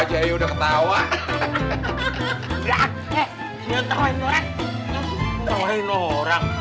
menarik di atas luka